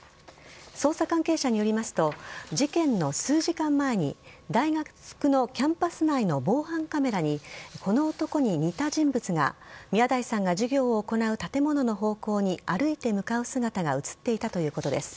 捜査関係者によりますと事件の数時間前に大学のキャンパス内の防犯カメラにこの男に似た人物が宮台さんが授業を行う建物の方向に歩いて向かう姿が映っていたということです。